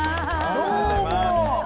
どうも。